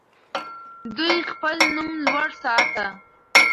دوی خپل نوم لوړ ساته.